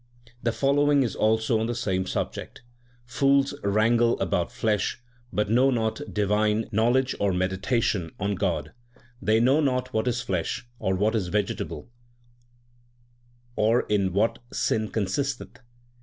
The following is also on the same subject : Fools wrangle about flesh, but know not divine know ledge or meditation on God. They know not what is flesh, or what is vegetable, or in what sin consist eth.